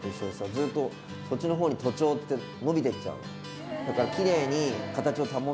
ずっとそっちのほうに徒長って伸びていっちゃうだから。